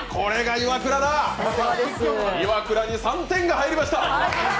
イワクラに３点が入りました。